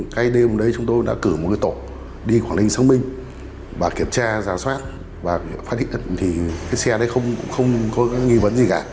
cái đêm đấy chúng tôi đã cử một cái tổ đi quảng ninh xác minh và kiểm tra giả soát và phát hiện thì cái xe đấy không có nghi vấn gì cả